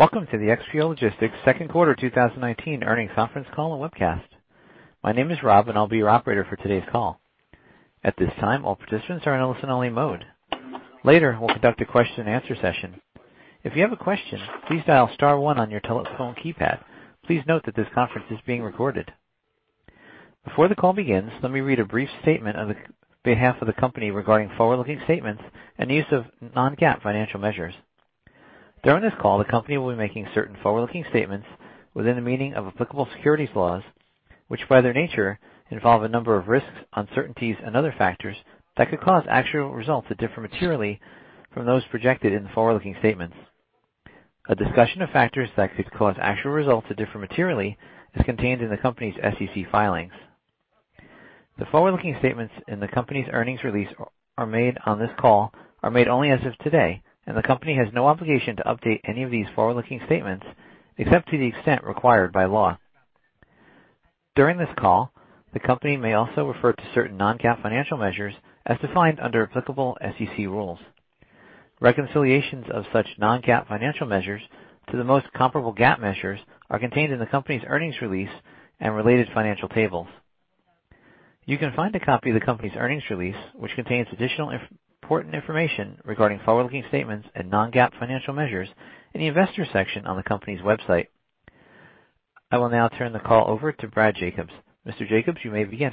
Welcome to the XPO Logistics second quarter 2019 earnings conference call and webcast. My name is Rob, and I'll be your operator for today's call. At this time, all participants are in listen-only mode. Later, we'll conduct a question and answer session. If you have a question, please dial star one on your telephone keypad. Please note that this conference is being recorded. Before the call begins, let me read a brief statement on behalf of the company regarding forward-looking statements and the use of non-GAAP financial measures. During this call, the company will be making certain forward-looking statements within the meaning of applicable securities laws, which, by their nature, involve a number of risks, uncertainties and other factors that could cause actual results to differ materially from those projected in the forward-looking statements. A discussion of factors that could cause actual results to differ materially is contained in the company's SEC filings. The forward-looking statements in the company's earnings release are made on this call only as of today, and the company has no obligation to update any of these forward-looking statements, except to the extent required by law. During this call, the company may also refer to certain non-GAAP financial measures as defined under applicable SEC rules. Reconciliations of such non-GAAP financial measures to the most comparable GAAP measures are contained in the company's earnings release and related financial tables. You can find a copy of the company's earnings release, which contains additional important information regarding forward-looking statements and non-GAAP financial measures in the investor section on the company's website. I will now turn the call over to Brad Jacobs. Mr. Jacobs, you may begin.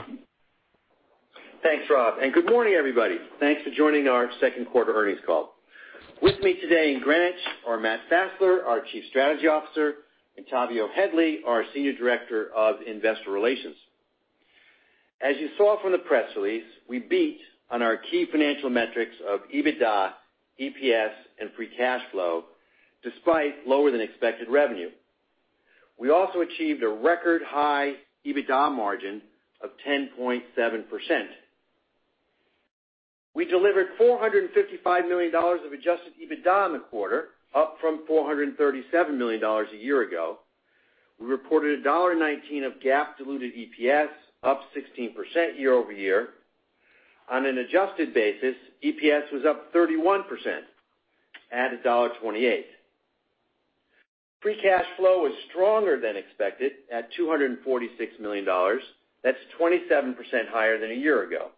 Thanks, Rob. Good morning, everybody. Thanks for joining our second quarter earnings call. With me today in Greenwich are Matthew Fassler, our Chief Strategy Officer, and Tavio Headley, our Senior Director of Investor Relations. As you saw from the press release, we beat on our key financial metrics of EBITDA, EPS, and free cash flow despite lower than expected revenue. We also achieved a record high EBITDA margin of 10.7%. We delivered $455 million of adjusted EBITDA in the quarter, up from $437 million a year ago. We reported $1.19 of GAAP diluted EPS, up 16% year-over-year. On an adjusted basis, EPS was up 31% at $1.28. Free cash flow was stronger than expected at $246 million. That's 27% higher than a year ago.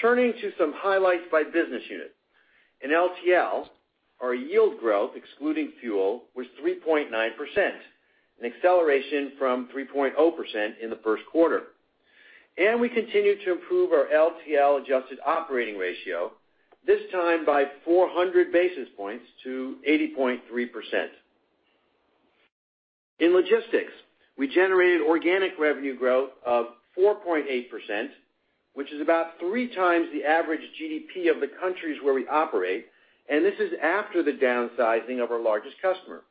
Turning to some highlights by business unit. In LTL, our yield growth, excluding fuel, was 3.9%, an acceleration from 3.0% in the first quarter. We continued to improve our LTL adjusted operating ratio, this time by 400 basis points to 80.3%. In logistics, we generated organic revenue growth of 4.8%, which is about three times the average GDP of the countries where we operate, and this is after the downsizing of our largest customer.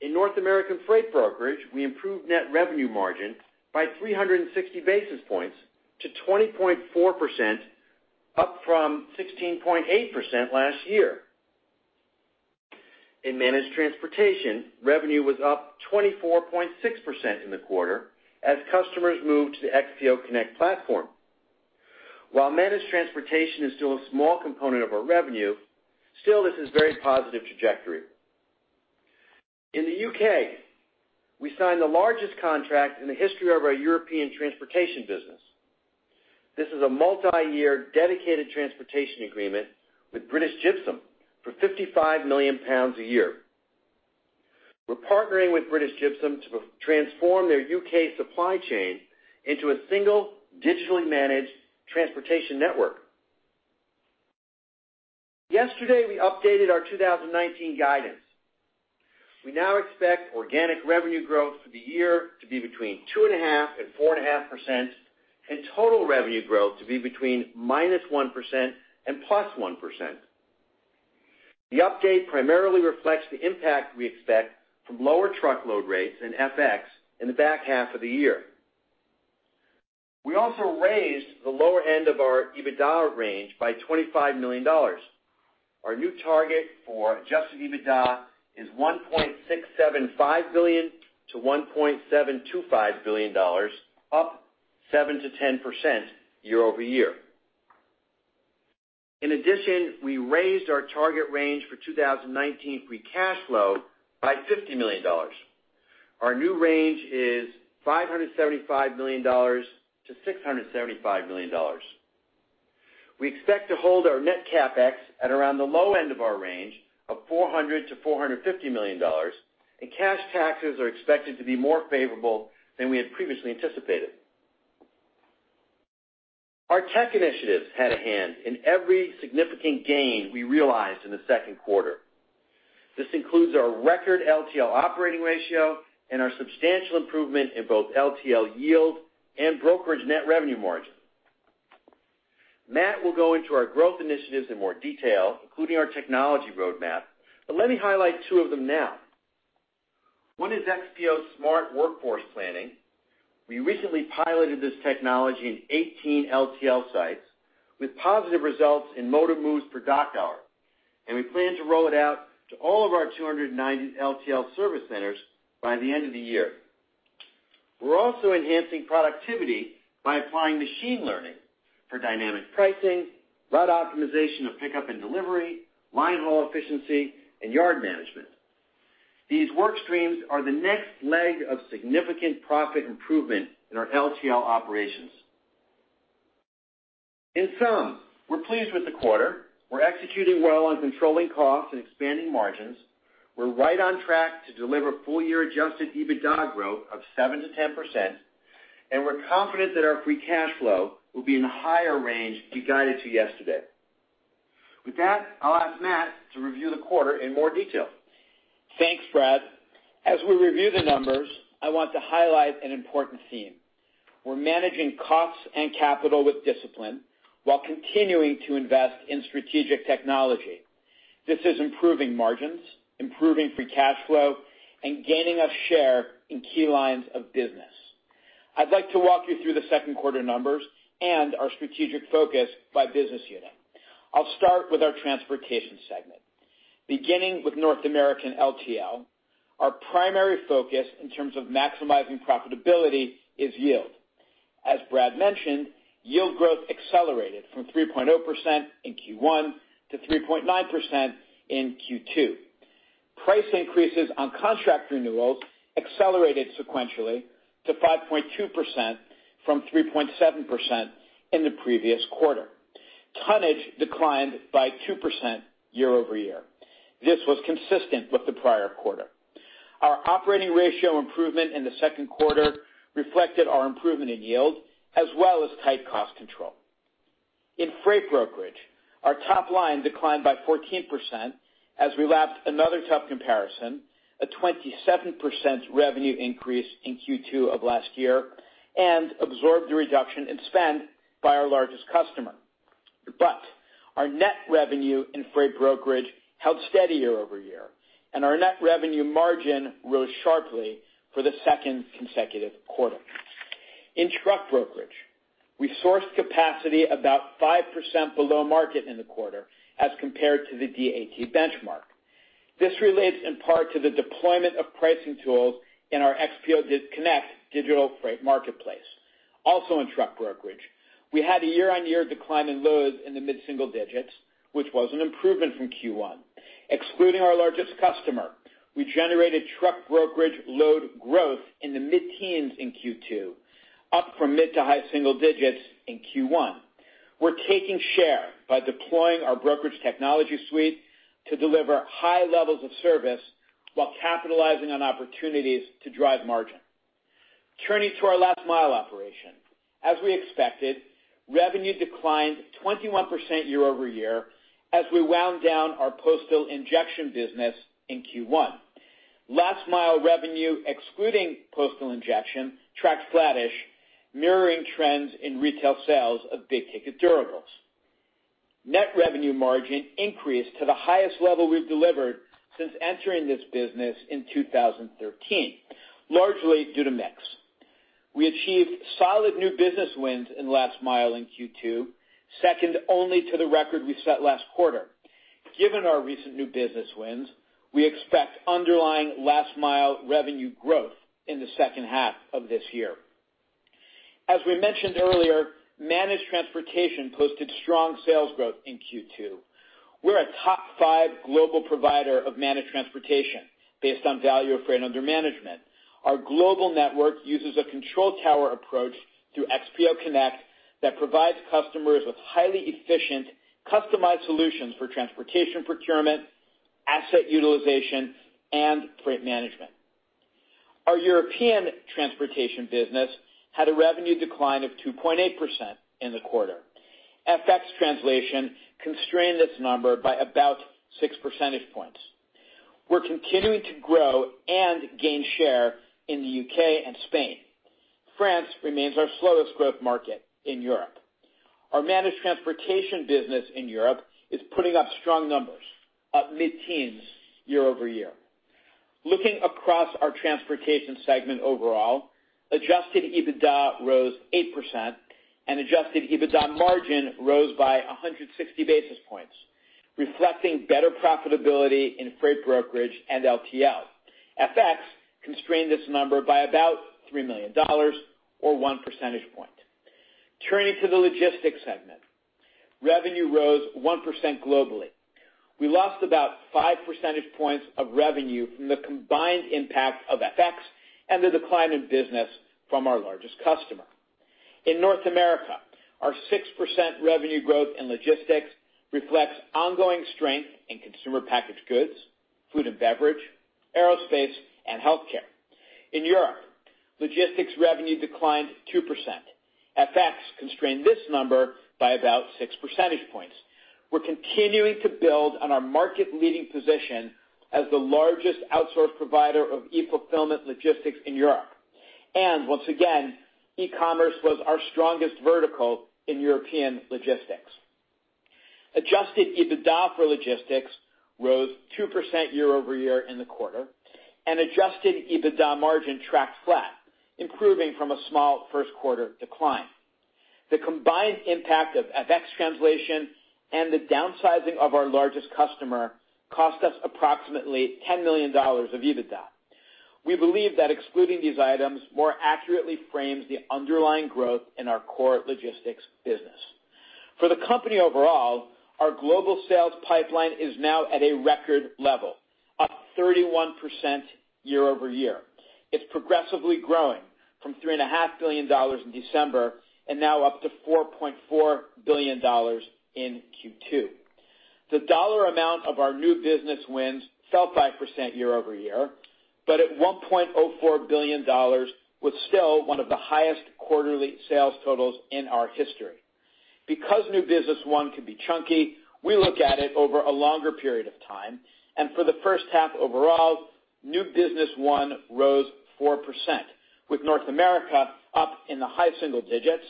In North American freight brokerage, we improved net revenue margin by 360 basis points to 20.4%, up from 16.8% last year. In managed transportation, revenue was up 24.6% in the quarter as customers moved to the XPO Connect platform. While managed transportation is still a small component of our revenue, still this is very positive trajectory. In the U.K., we signed the largest contract in the history of our European transportation business. This is a multi-year dedicated transportation agreement with British Gypsum for 55 million pounds a year. We're partnering with British Gypsum to transform their U.K. supply chain into a single digitally managed transportation network. Yesterday, we updated our 2019 guidance. We now expect organic revenue growth for the year to be between 2.5% and 4.5%, and total revenue growth to be between -1% and +1%. The update primarily reflects the impact we expect from lower truckload rates and FX in the back half of the year. We also raised the lower end of our EBITDA range by $25 million. Our new target for adjusted EBITDA is $1.675 billion-$1.725 billion, up 7%-10% year-over-year. In addition, we raised our target range for 2019 free cash flow by $50 million. Our new range is $575 million-$675 million. We expect to hold our net CapEx at around the low end of our range of $400 million-$450 million. Cash taxes are expected to be more favorable than we had previously anticipated. Our tech initiatives had a hand in every significant gain we realized in the second quarter. This includes our record LTL operating ratio and our substantial improvement in both LTL yield and brokerage net revenue margin. Matt will go into our growth initiatives in more detail, including our technology roadmap. Let me highlight two of them now. One is XPO Smart workforce planning. We recently piloted this technology in 18 LTL sites with positive results in motive moves per dock hour, and we plan to roll it out to all of our 290 LTL service centers by the end of the year. We're also enhancing productivity by applying machine learning for dynamic pricing, route optimization of pickup and delivery, line-haul efficiency, and yard management. These work streams are the next leg of significant profit improvement in our LTL operations. In sum, we're pleased with the quarter. We're executing well on controlling costs and expanding margins. We're right on track to deliver full-year adjusted EBITDA growth of 7%-10%, and we're confident that our free cash flow will be in the higher range we guided to yesterday. With that, I'll ask Matt to review the quarter in more detail. Thanks, Brad. As we review the numbers, I want to highlight an important theme. We're managing costs and capital with discipline while continuing to invest in strategic technology. This is improving margins, improving free cash flow, and gaining us share in key lines of business. I'd like to walk you through the second quarter numbers and our strategic focus by business unit. I'll start with our transportation segment. Beginning with North American LTL, our primary focus in terms of maximizing profitability is yield. As Brad mentioned, yield growth accelerated from 3.0% in Q1 to 3.9% in Q2. Price increases on contract renewals accelerated sequentially to 5.2% from 3.7% in the previous quarter. Tonnage declined by 2% year-over-year. This was consistent with the prior quarter. Our operating ratio improvement in the second quarter reflected our improvement in yield, as well as tight cost control. In freight brokerage, our top line declined by 14% as we lapped another tough comparison, a 27% revenue increase in Q2 of last year, and absorbed the reduction in spend by our largest customer. Our net revenue in freight brokerage held steady year-over-year, and our net revenue margin rose sharply for the second consecutive quarter. In truck brokerage, we sourced capacity about 5% below market in the quarter as compared to the DAT benchmark. This relates in part to the deployment of pricing tools in our XPO Connect digital freight marketplace. Also, in truck brokerage, we had a year-on-year decline in loads in the mid-single digits, which was an improvement from Q1. Excluding our largest customer, we generated truck brokerage load growth in the mid-teens in Q2, up from mid to high single digits in Q1. We're taking share by deploying our brokerage technology suite to deliver high levels of service while capitalizing on opportunities to drive margin. Turning to our last mile operation. As we expected, revenue declined 21% year-over-year as we wound down our postal injection business in Q1. Last mile revenue, excluding postal injection, tracked flattish, mirroring trends in retail sales of big-ticket durables. Net revenue margin increased to the highest level we've delivered since entering this business in 2013, largely due to mix. We achieved solid new business wins in last mile in Q2, second only to the record we set last quarter. Given our recent new business wins, we expect underlying last mile revenue growth in the second half of this year. As we mentioned earlier, managed transportation posted strong sales growth in Q2. We're a top five global provider of managed transportation based on value of freight under management. Our global network uses a control tower approach through XPO Connect that provides customers with highly efficient, customized solutions for transportation procurement, asset utilization, and freight management. Our European transportation business had a revenue decline of 2.8% in the quarter. FX translation constrained this number by about six percentage points. We're continuing to grow and gain share in the U.K. and Spain. France remains our slowest growth market in Europe. Our managed transportation business in Europe is putting up strong numbers, up mid-teens year-over-year. Looking across our transportation segment overall, adjusted EBITDA rose 8% and adjusted EBITDA margin rose by 160 basis points, reflecting better profitability in freight brokerage and LTL. FX constrained this number by about $3 million or one percentage point. Turning to the logistics segment. Revenue rose 1% globally. We lost about 5 percentage points of revenue from the combined impact of FX and the decline in business from our largest customer. In North America, our 6% revenue growth in logistics reflects ongoing strength in consumer packaged goods, food and beverage, aerospace, and healthcare. In Europe, logistics revenue declined 2%. FX constrained this number by about 6 percentage points. We're continuing to build on our market-leading position as the largest outsourced provider of e-fulfillment logistics in Europe. Once again, e-commerce was our strongest vertical in European logistics. Adjusted EBITDA for logistics rose 2% year-over-year in the quarter, and adjusted EBITDA margin tracked flat, improving from a small first quarter decline. The combined impact of FX translation and the downsizing of our largest customer cost us approximately $10 million of EBITDA. We believe that excluding these items more accurately frames the underlying growth in our core logistics business. For the company overall, our global sales pipeline is now at a record level, up 31% year-over-year. It's progressively growing from $3.5 billion in December, and now up to $4.4 billion in Q2. The dollar amount of our new business wins fell 5% year-over-year, but at $1.04 billion, was still one of the highest quarterly sales totals in our history. Because new business won can be chunky, we look at it over a longer period of time. For the first half overall, new business won rose 4%, with North America up in the high single digits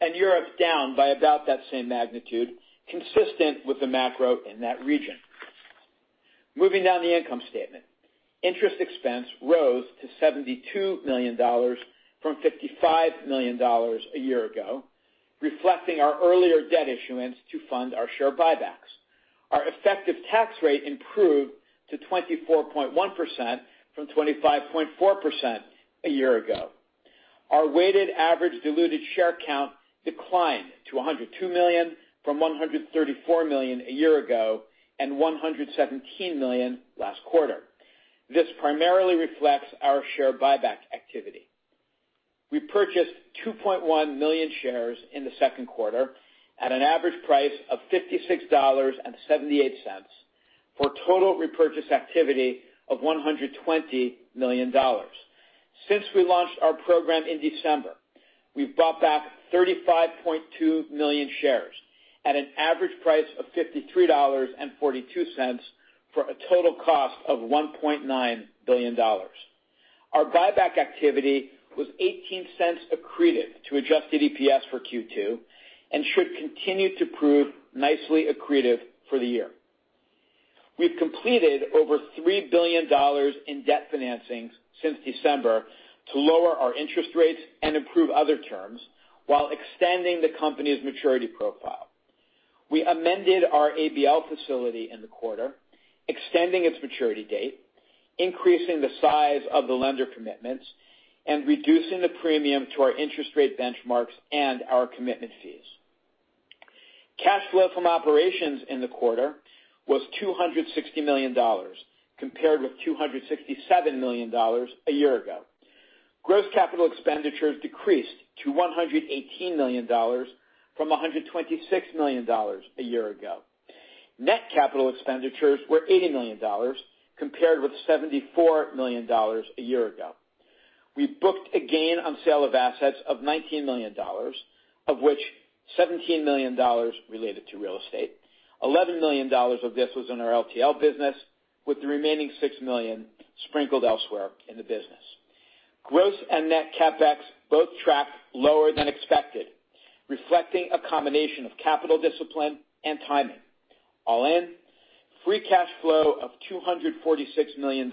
and Europe down by about that same magnitude, consistent with the macro in that region. Moving down the income statement. Interest expense rose to $72 million from $55 million a year ago, reflecting our earlier debt issuance to fund our share buybacks. Our effective tax rate improved to 24.1% from 25.4% a year ago. Our weighted average diluted share count declined to 102 million from 134 million a year ago and 117 million last quarter. This primarily reflects our share buyback activity. We purchased 2.1 million shares in the second quarter at an average price of $56.78 for a total repurchase activity of $120 million. Since we launched our program in December, we've bought back 35.2 million shares at an average price of $53.42 for a total cost of $1.9 billion. Our buyback activity was $0.18 accretive to adjusted EPS for Q2 and should continue to prove nicely accretive for the year. We've completed over $3 billion in debt financing since December to lower our interest rates and improve other terms while extending the company's maturity profile. We amended our ABL facility in the quarter, extending its maturity date, increasing the size of the lender commitments, and reducing the premium to our interest rate benchmarks and our commitment fees. Cash flow from operations in the quarter was $260 million, compared with $267 million a year ago. Gross capital expenditures decreased to $118 million from $126 million a year ago. Net capital expenditures were $80 million, compared with $74 million a year ago. We booked a gain on sale of assets of $19 million, of which $17 million related to real estate. $11 million of this was in our LTL business, with the remaining $6 million sprinkled elsewhere in the business. Gross and net CapEx both tracked lower than expected, reflecting a combination of capital discipline and timing. All in, free cash flow of $246 million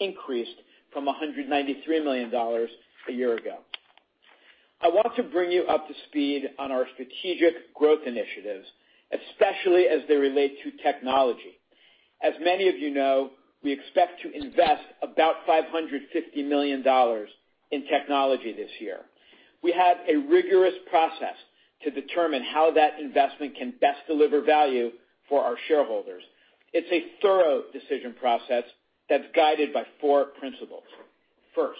increased from $193 million a year ago. I want to bring you up to speed on our strategic growth initiatives, especially as they relate to technology. As many of you know, we expect to invest about $550 million in technology this year. We have a rigorous process to determine how that investment can best deliver value for our shareholders. It's a thorough decision process that's guided by four principles. First,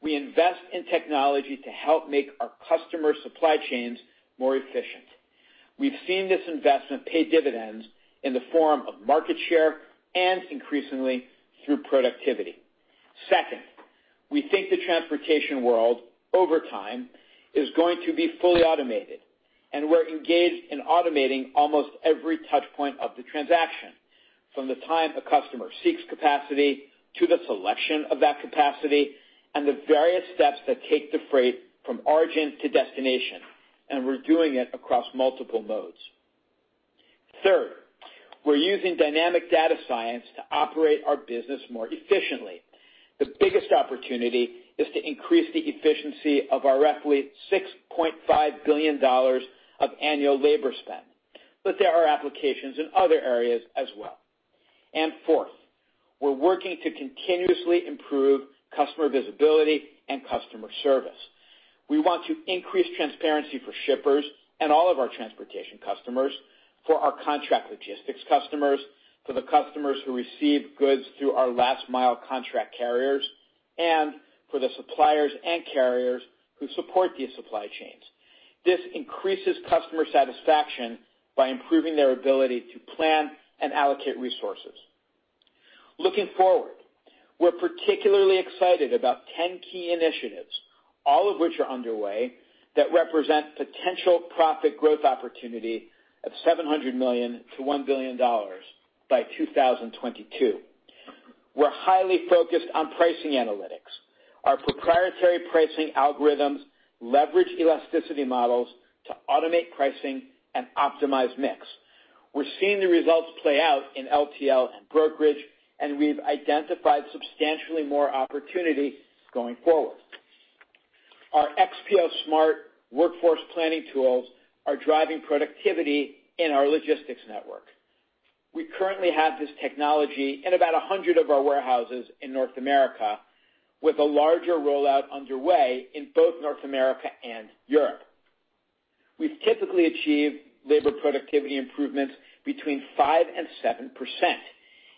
we invest in technology to help make our customers' supply chains more efficient. We've seen this investment pay dividends in the form of market share and increasingly through productivity. Second, we think the transportation world, over time, is going to be fully automated, and we're engaged in automating almost every touchpoint of the transaction, from the time a customer seeks capacity to the selection of that capacity and the various steps that take the freight from origin to destination, and we're doing it across multiple modes. Third, we're using dynamic data science to operate our business more efficiently. The biggest opportunity is to increase the efficiency of our roughly $6.5 billion of annual labor spend. There are applications in other areas as well. Fourth, we're working to continuously improve customer visibility and customer service. We want to increase transparency for shippers and all of our transportation customers, for our contract logistics customers, for the customers who receive goods through our last-mile contract carriers, and for the suppliers and carriers who support these supply chains. This increases customer satisfaction by improving their ability to plan and allocate resources. Looking forward, we're particularly excited about 10 key initiatives, all of which are underway, that represent potential profit growth opportunity of $700 million-$1 billion by 2022. We're highly focused on pricing analytics. Our proprietary pricing algorithms leverage elasticity models automate pricing and optimize mix. We're seeing the results play out in LTL and brokerage, and we've identified substantially more opportunity going forward. Our XPO Smart workforce planning tools are driving productivity in our logistics network. We currently have this technology in about 100 of our warehouses in North America, with a larger rollout underway in both North America and Europe. We've typically achieved labor productivity improvements between 5% and 7%.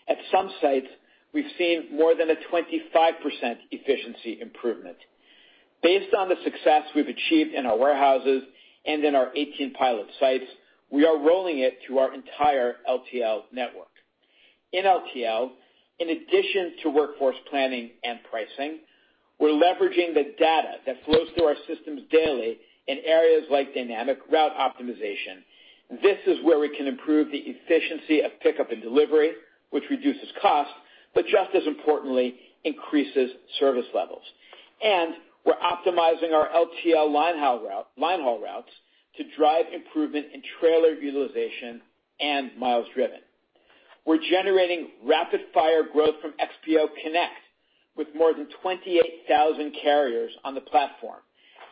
At some sites, we've seen more than a 25% efficiency improvement. Based on the success we've achieved in our warehouses and in our 18 pilot sites, we are rolling it to our entire LTL network. In LTL, in addition to workforce planning and pricing, we're leveraging the data that flows through our systems daily in areas like dynamic route optimization. This is where we can improve the efficiency of pickup and delivery, which reduces cost, but just as importantly, increases service levels. We're optimizing our LTL line haul routes to drive improvement in trailer utilization and miles driven. We're generating rapid-fire growth from XPO Connect, with more than 28,000 carriers on the platform,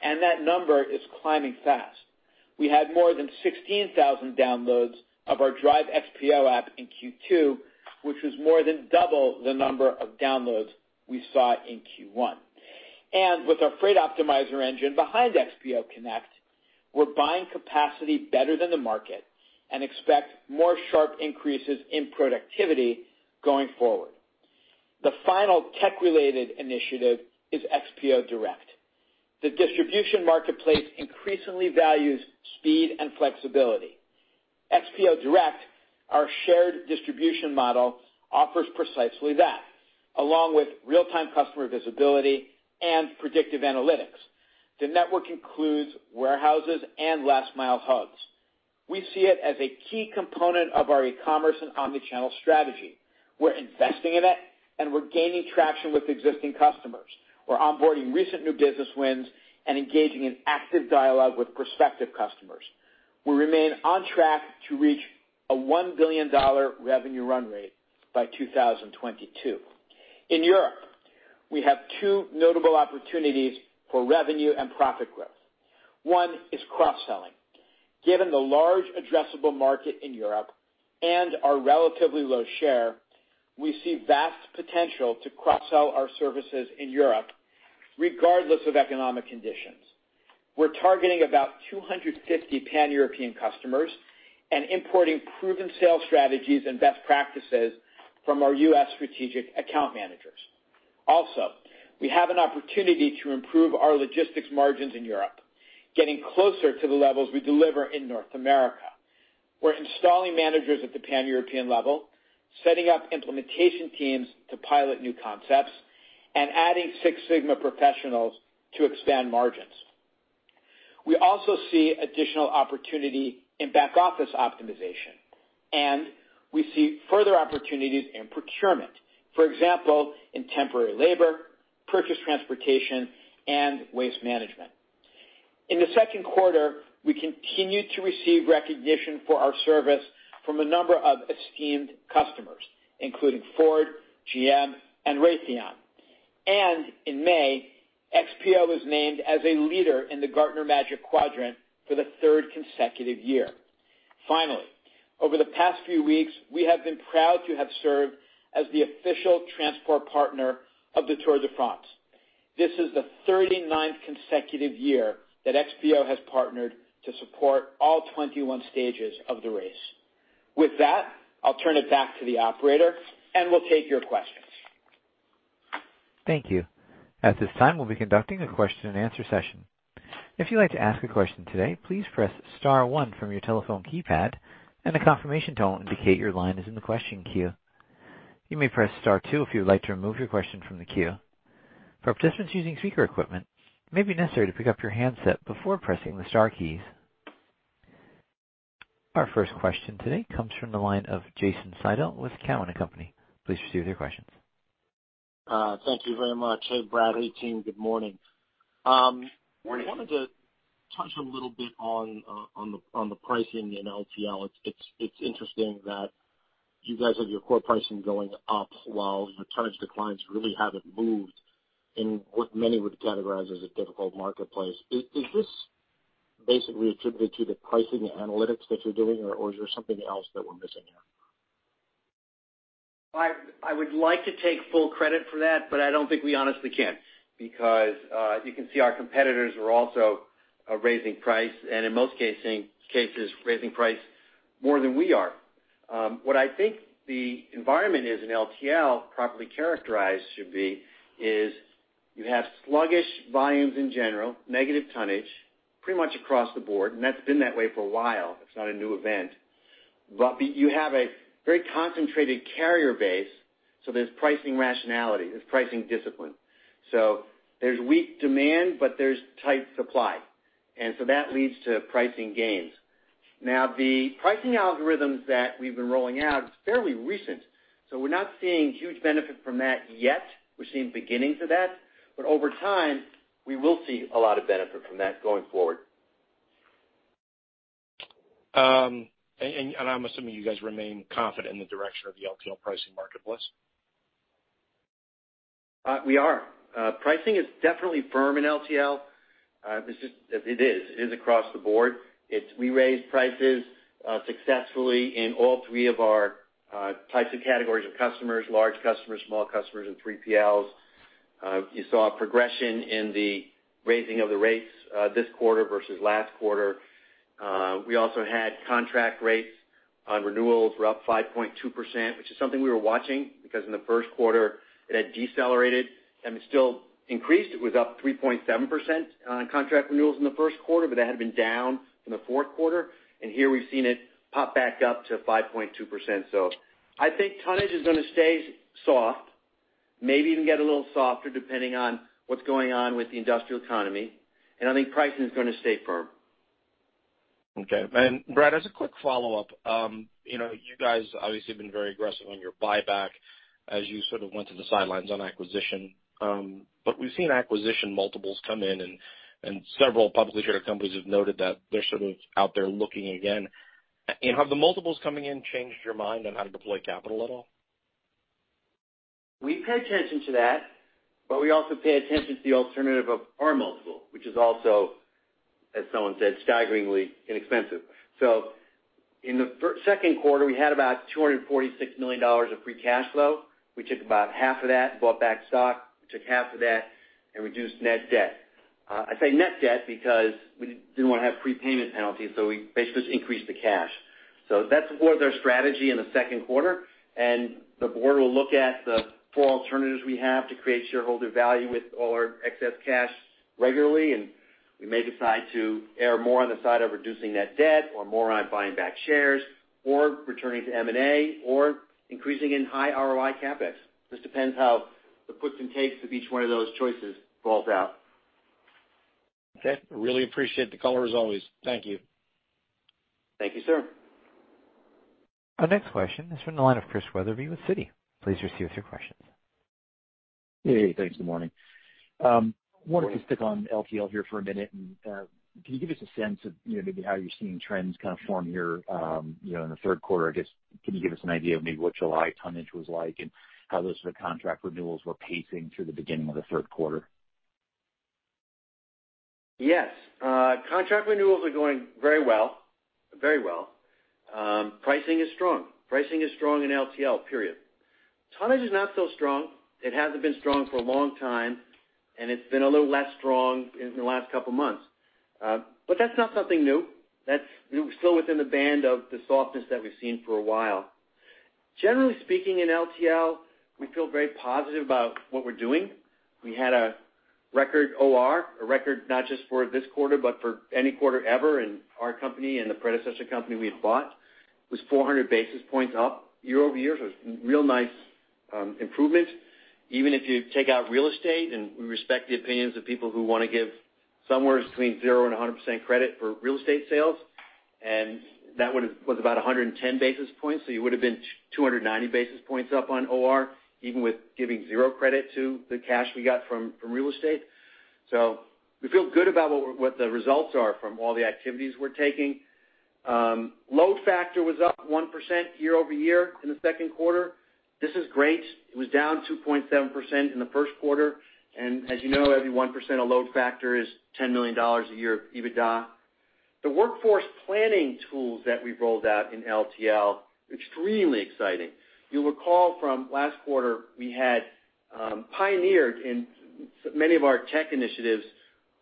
and that number is climbing fast. We had more than 16,000 downloads of our Drive XPO app in Q2, which was more than double the number of downloads we saw in Q1. With our Freight Optimizer engine behind XPO Connect, we're buying capacity better than the market and expect more sharp increases in productivity going forward. The final tech-related initiative is XPO Direct. The distribution marketplace increasingly values speed and flexibility. XPO Direct, our shared distribution model, offers precisely that, along with real-time customer visibility and predictive analytics. The network includes warehouses and last-mile hubs. We see it as a key component of our e-commerce and omnichannel strategy. We're investing in it, and we're gaining traction with existing customers. We're onboarding recent new business wins and engaging in active dialogue with prospective customers. We remain on track to reach a $1 billion revenue run rate by 2022. In Europe, we have two notable opportunities for revenue and profit growth. One is cross-selling. Given the large addressable market in Europe and our relatively low share, we see vast potential to cross-sell our services in Europe regardless of economic conditions. We're targeting about 250 Pan-European customers and importing proven sales strategies and best practices from our U.S. strategic account managers. Also, we have an opportunity to improve our logistics margins in Europe, getting closer to the levels we deliver in North America. We're installing managers at the Pan-European level, setting up implementation teams to pilot new concepts, and adding Six Sigma professionals to expand margins. We also see additional opportunity in back-office optimization, and we see further opportunities in procurement, for example, in temporary labor, purchase transportation, and waste management. In the second quarter, we continued to receive recognition for our service from a number of esteemed customers, including Ford, GM, and Raytheon. In May, XPO was named as a leader in the Gartner Magic Quadrant for the third consecutive year. Finally, over the past few weeks, we have been proud to have served as the official transport partner of the Tour de France. This is the 39th consecutive year that XPO has partnered to support all 21 stages of the race. With that, I'll turn it back to the operator, and we'll take your questions. Thank you. At this time, we'll be conducting a question and answer session. If you'd like to ask a question today, please press star 1 from your telephone keypad, and a confirmation tone will indicate your line is in the question queue. You may press star 2 if you would like to remove your question from the queue. For participants using speaker equipment, it may be necessary to pick up your handset before pressing the star keys. Our first question today comes from the line of Jason Seidl with Cowen and Company. Please proceed with your questions. Thank you very much. Hey, Brad, hey, team. Good morning. Morning. I wanted to touch a little bit on the pricing in LTL. It's interesting that you guys have your core pricing going up while your tonnage declines really haven't moved in what many would categorize as a difficult marketplace. Is this basically attributed to the pricing analytics that you're doing, or is there something else that we're missing here? I would like to take full credit for that, but I don't think we honestly can, because you can see our competitors are also raising price, and in most cases, raising price more than we are. What I think the environment is in LTL, properly characterized should be is, you have sluggish volumes in general, negative tonnage, pretty much across the board, and that's been that way for a while. It's not a new event. You have a very concentrated carrier base, so there's pricing rationality. There's pricing discipline. There's weak demand, but there's tight supply, and so that leads to pricing gains. The pricing algorithms that we've been rolling out is fairly recent, so we're not seeing huge benefit from that yet. We're seeing beginnings of that. Over time, we will see a lot of benefit from that going forward. I'm assuming you guys remain confident in the direction of the LTL pricing marketplace. We are. Pricing is definitely firm in LTL. It is across the board. We raised prices successfully in all 3 of our types of categories of customers, large customers, small customers, and 3PLs. You saw a progression in the raising of the rates this quarter versus last quarter. We also had contract rates on renewals were up 5.2%, which is something we were watching because in the first quarter it had decelerated. I mean, it still increased. It was up 3.7% on contract renewals in the first quarter, it had been down in the fourth quarter. Here we've seen it pop back up to 5.2%. I think tonnage is going to stay soft, maybe even get a little softer depending on what's going on with the industrial economy. I think pricing is going to stay firm. Okay. Brad, as a quick follow-up. You guys obviously have been very aggressive on your buyback as you sort of went to the sidelines on acquisition. We've seen acquisition multiples come in and several publicly traded companies have noted that they're sort of out there looking again. Have the multiples coming in changed your mind on how to deploy capital at all? We pay attention to that, but we also pay attention to the alternative of our multiple, which is also, as someone said, staggeringly inexpensive. In the second quarter, we had about $246 million of free cash flow. We took about half of that and bought back stock. We took half of that and reduced net debt. I say net debt because we didn't want to have prepayment penalties, so we basically just increased the cash. That's more of their strategy in the second quarter. The board will look at the four alternatives we have to create shareholder value with all our excess cash regularly, and we may decide to err more on the side of reducing that debt or more on buying back shares or returning to M&A or increasing in high ROI CapEx. Just depends how the puts and takes of each one of those choices falls out. Okay. Really appreciate the color as always. Thank you. Thank you, sir. Our next question is from the line of Chris Wetherbee with Citi. Please proceed with your questions. Hey. Thanks. Good morning. Wanted to stick on LTL here for a minute. Can you give us a sense of maybe how you're seeing trends kind of form here in the third quarter? I guess, can you give us an idea of maybe what July tonnage was like and how those sort of contract renewals were pacing through the beginning of the third quarter? Yes. Contract renewals are going very well. Pricing is strong. Pricing is strong in LTL, period. Tonnage is not so strong. It hasn't been strong for a long time, and it's been a little less strong in the last couple of months. That's not something new. That's still within the band of the softness that we've seen for a while. Generally speaking, in LTL, we feel very positive about what we're doing. We had a record OR, a record not just for this quarter but for any quarter ever in our company and the predecessor company we had bought. It was 400 basis points up year-over-year. It's real nice improvement. Even if you take out real estate, and we respect the opinions of people who want to give somewhere between zero and 100% credit for real estate sales. That one was about 110 basis points. You would have been 290 basis points up on OR even with giving zero credit to the cash we got from real estate. We feel good about what the results are from all the activities we're taking. Load factor was up 1% year-over-year in the second quarter. This is great. It was down 2.7% in the first quarter. As you know, every 1% of load factor is $10 million a year of EBITDA. The workforce planning tools that we've rolled out in LTL are extremely exciting. You'll recall from last quarter, we had pioneered in many of our tech initiatives,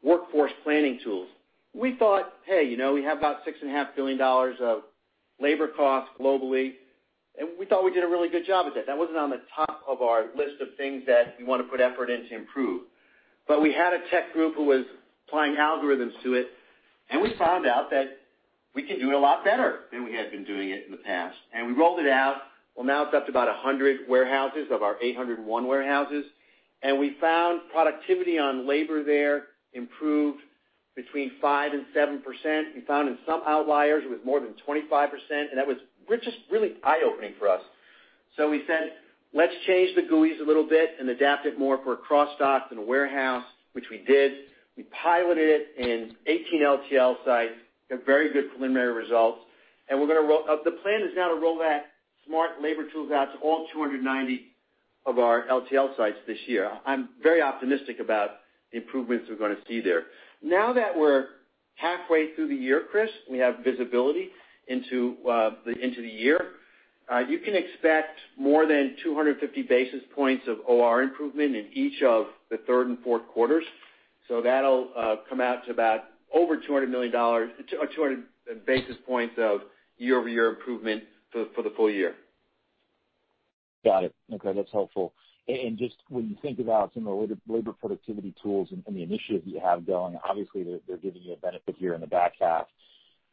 workforce planning tools. We thought, hey, we have about $6.5 billion of labor costs globally, and we thought we did a really good job with it. That wasn't on the top of our list of things that we want to put effort in to improve. We had a tech group who was applying algorithms to it, and we found out that we can do it a lot better than we had been doing it in the past. We rolled it out. Well, now it's up to about 100 warehouses of our 801 warehouses. We found productivity on labor there improved between 5% and 7%. We found in some outliers it was more than 25%, and that was just really eye-opening for us. We said, let's change the GUIs a little bit and adapt it more for a cross-dock than a warehouse, which we did. We piloted it in 18 LTL sites, got very good preliminary results. The plan is now to roll that smart labor tools out to all 290 of our LTL sites this year. I'm very optimistic about the improvements we're going to see there. Now that we're halfway through the year, Chris, we have visibility into the year. You can expect more than 250 basis points of OR improvement in each of the third and fourth quarters. That'll come out to about over $200 million, or 200 basis points of year-over-year improvement for the full year. Got it. Okay. That's helpful. Just when you think about some of the labor productivity tools and the initiatives you have going, obviously they're giving you a benefit here in the back half.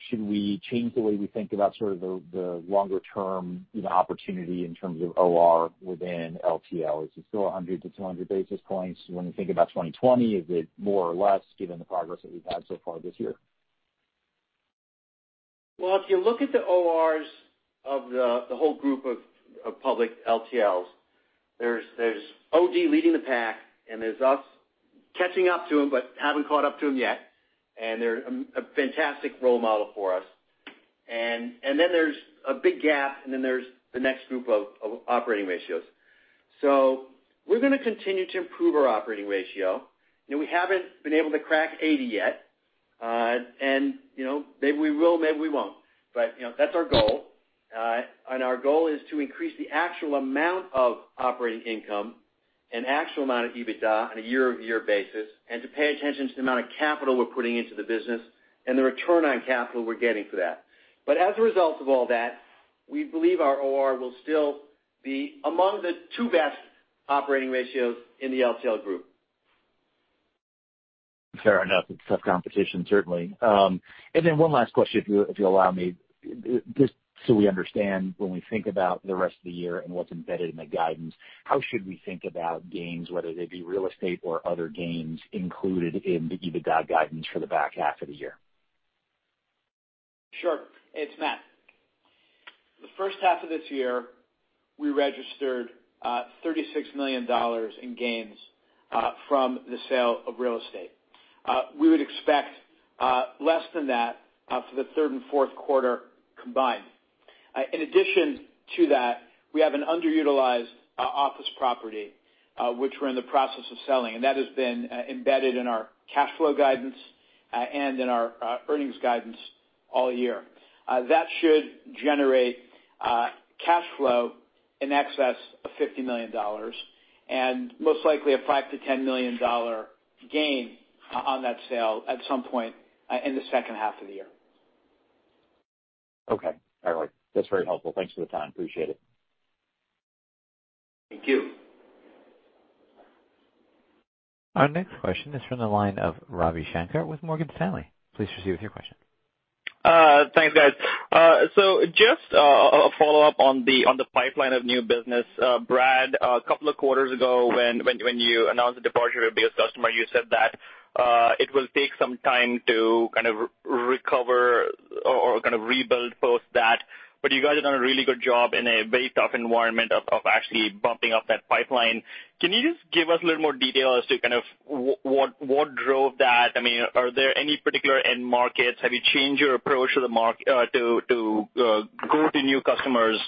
Should we change the way we think about sort of the longer-term opportunity in terms of OR within LTL? Is it still 100 to 200 basis points when we think about 2020? Is it more or less given the progress that we've had so far this year? If you look at the ORs of the whole group of public LTLs, there's OD leading the pack, and there's us catching up to them, but haven't caught up to them yet, and they're a fantastic role model for us. There's a big gap, and then there's the next group of operating ratios. We're going to continue to improve our operating ratio. We haven't been able to crack 80 yet. Maybe we will, maybe we won't. That's our goal. Our goal is to increase the actual amount of operating income and actual amount of EBITDA on a year-over-year basis, and to pay attention to the amount of capital we're putting into the business and the return on capital we're getting for that. As a result of all that, we believe our OR will still be among the two best operating ratios in the LTL group. Fair enough. It's tough competition, certainly. One last question, if you'll allow me. Just so we understand, when we think about the rest of the year and what's embedded in the guidance, how should we think about gains, whether they be real estate or other gains included in the EBITDA guidance for the back half of the year? Sure. It's Matt. The first half of this year, we registered $36 million in gains from the sale of real estate. We would expect less than that for the third and fourth quarter combined. In addition to that, we have an underutilized office property, which we're in the process of selling, and that has been embedded in our cash flow guidance and in our earnings guidance all year. That should generate cash flow in excess of $50 million and most likely a $5 million-$10 million gain on that sale at some point in the second half of the year. Okay. All right. That's very helpful. Thanks for the time. Appreciate it. Thank you. Our next question is from the line of Ravi Shanker with Morgan Stanley. Please proceed with your question. Thanks, guys. Just a follow-up on the pipeline of new business. Brad, a couple of quarters ago when you announced the departure of a big customer, you said that it'll take some time to kind of recover or kind of rebuild post that. You guys have done a really good job in a very tough environment of actually bumping up that pipeline. Can you just give us a little more detail as to kind of what drove that? I mean, are there any particular end markets? Have you changed your approach to go to new customers?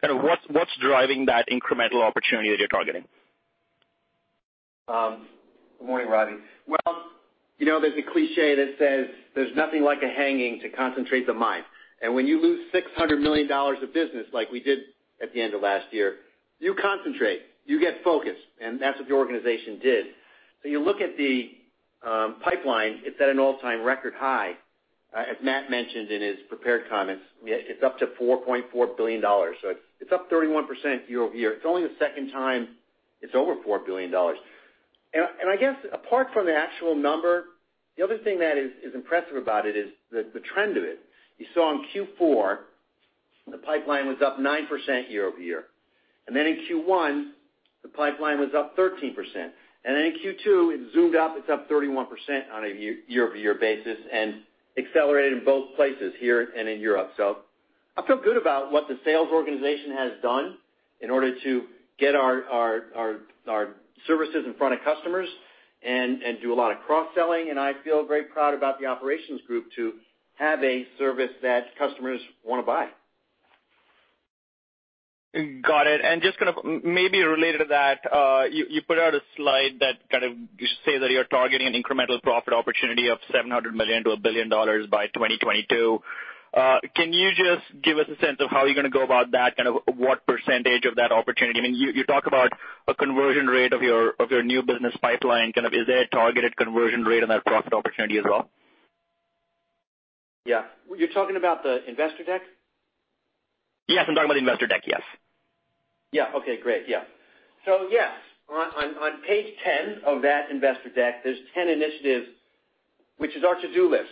Kind of what's driving that incremental opportunity that you're targeting? Good morning, Ravi. Well, there's a cliche that says there's nothing like a hanging to concentrate the mind. When you lose $600 million of business like we did at the end of last year, you concentrate, you get focused, that's what the organization did. You look at the pipeline, it's at an all-time record high. As Matt mentioned in his prepared comments, it's up to $4.4 billion. It's up 31% year-over-year. It's only the second time it's over $4 billion. I guess apart from the actual number, the other thing that is impressive about it is the trend of it. You saw in Q4, the pipeline was up 9% year-over-year. In Q1, the pipeline was up 13%. In Q2, it zoomed up. It's up 31% on a year-over-year basis and accelerated in both places here and in Europe. I feel good about what the sales organization has done in order to get our services in front of customers and do a lot of cross-selling. I feel very proud about the operations group to have a service that customers want to buy. Got it. Just kind of maybe related to that, you put out a slide that kind of says that you're targeting an incremental profit opportunity of $700 million to $1 billion by 2022. Can you just give us a sense of how you're going to go about that? Kind of what percentage of that opportunity? I mean, you talk about a conversion rate of your new business pipeline. Kind of is there a targeted conversion rate on that profit opportunity as well? Yeah. You're talking about the investor deck? Yes, I'm talking about the investor deck, yes. Okay, great. Yeah. Yes, on page 10 of that investor deck, there's 10 initiatives, which is our to-do list.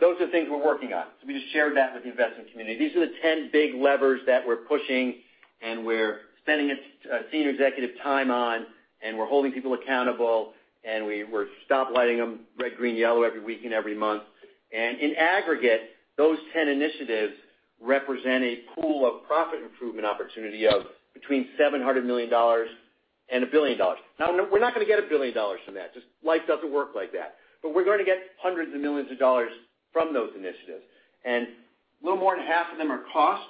Those are the things we're working on. We just shared that with the investment community. These are the 10 big levers that we're pushing, and we're spending senior executive time on, and we're holding people accountable, and we're stop-lighting them, red, green, yellow every week and every month. In aggregate, those 10 initiatives represent a pool of profit improvement opportunity of between $700 million and $1 billion. Now, we're not going to get $1 billion from that. Just life doesn't work like that. We're going to get hundreds of millions of dollars from those initiatives. A little more than half of them are cost,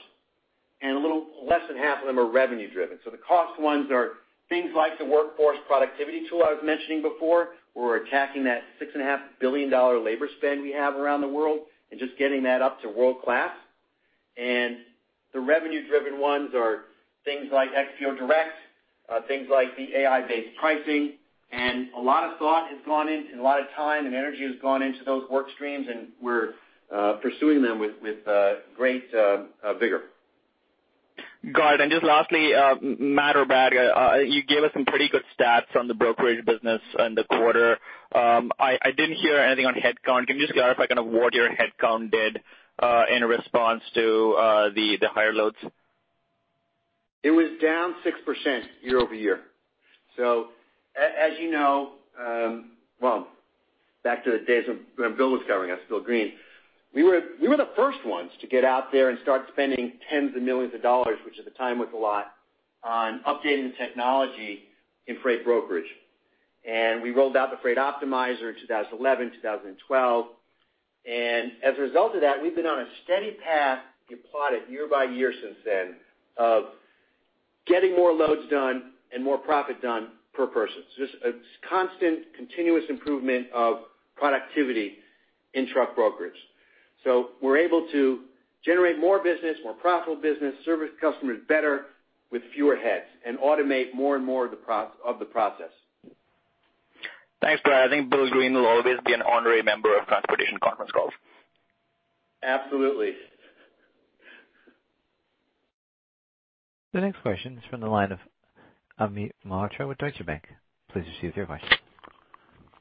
and a little less than half of them are revenue-driven. The cost ones are things like the workforce productivity tool I was mentioning before. We're attacking that $6.5 billion labor spend we have around the world and just getting that up to world class. The revenue-driven ones are things like XPO Direct, things like the AI-based pricing. A lot of thought has gone in, and a lot of time and energy has gone into those work streams, and we're pursuing them with great vigor. Got it. Just lastly, Matt or Brad, you gave us some pretty good stats on the brokerage business in the quarter. I didn't hear anything on headcount. Can you just clarify kind of what your headcount did in response to the higher loads? It was down 6% year-over-year. As you know, well, back to the days when Bill was covering us, Bill Greene, we were the first ones to get out there and start spending tens of millions of dollars, which at the time was a lot, on updating the technology in freight brokerage. We rolled out the Freight Optimizer in 2011, 2012. As a result of that, we've been on a steady path. You plot it year by year since then, of getting more loads done and more profit done per person. Just a constant continuous improvement of productivity in truck brokerage. We're able to generate more business, more profitable business, service customers better with fewer heads, and automate more and more of the process. Thanks, Brad. I think Bill Greene will always be an honorary member of transportation conference calls. Absolutely. The next question is from the line of Amit Mehrotra with Deutsche Bank. Please proceed with your question.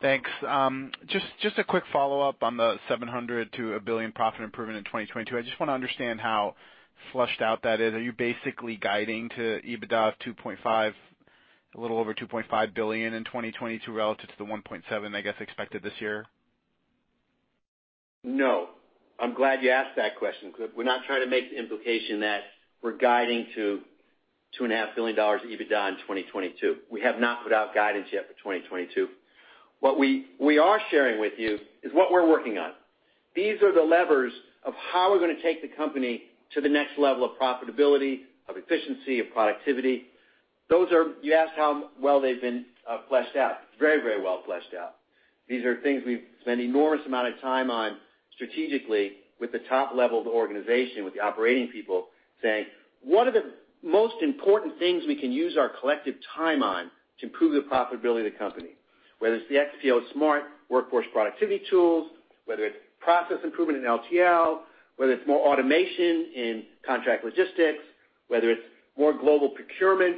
Thanks. Just a quick follow-up on the $700 million-$1 billion profit improvement in 2022. I just want to understand how fleshed out that is. Are you basically guiding to EBITDA of a little over $2.5 billion in 2022 relative to the $1.7 billion, I guess, expected this year? No. I'm glad you asked that question because we're not trying to make the implication that we're guiding to $2.5 billion of EBITDA in 2022. We have not put out guidance yet for 2022. What we are sharing with you is what we're working on. These are the levers of how we're going to take the company to the next level of profitability, of efficiency, of productivity. You asked how well they've been fleshed out. It's very well fleshed out. These are things we've spent enormous amount of time on strategically with the top level of the organization, with the operating people saying, "What are the most important things we can use our collective time on to improve the profitability of the company?" Whether it's the XPO Smart workforce productivity tools, whether it's process improvement in LTL, whether it's more automation in contract logistics, whether it's more global procurement,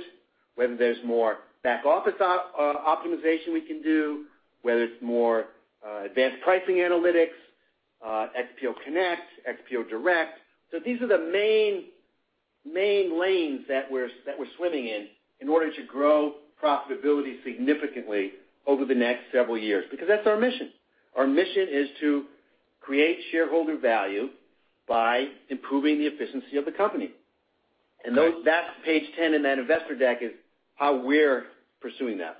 whether there's more back-office optimization we can do, whether it's more advanced pricing analytics, XPO Connect, XPO Direct. These are the main lanes that we're swimming in order to grow profitability significantly over the next several years, because that's our mission. Our mission is to create shareholder value by improving the efficiency of the company. That's page 10 in that investor deck is how we're pursuing that.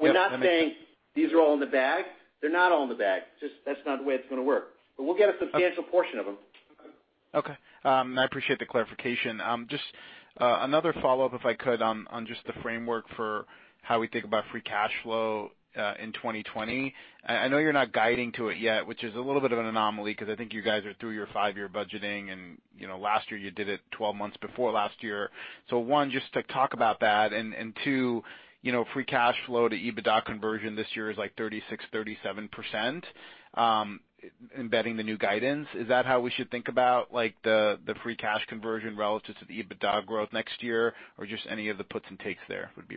We're not saying these are all in the bag. They're not all in the bag. That's not the way it's going to work. We'll get a substantial portion of them. Okay. I appreciate the clarification. Just another follow-up, if I could, on just the framework for how we think about free cash flow in 2020. I know you're not guiding to it yet, which is a little bit of an anomaly because I think you guys are through your five-year budgeting, and last year you did it 12 months before last year. One, just to talk about that, and two free cash flow to EBITDA conversion this year is like 36%, 37%, embedding the new guidance. Is that how we should think about the free cash conversion relative to the EBITDA growth next year? Just any of the puts and takes there would be